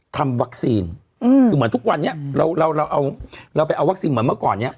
ทำวัคซีนเหมือนทุกวันนี้เราไปเอาวัคซีนเหมือนเมื่อก่อนเนี่ย